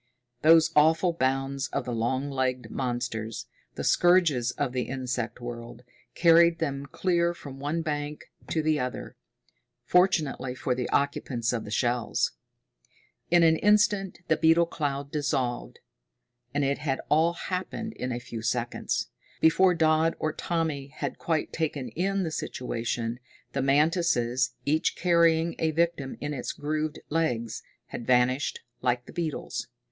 Those awful bounds of the long legged monsters, the scourges of the insect world, carried them clear from one bank to the other fortunately for the occupants of the shells. In an instant the beetle cloud dissolved. And it had all happened in a few seconds. Before Dodd or Tommy had quite taken in the situation, the mantises, each carrying a victim in its grooved legs, had vanished like the beetles.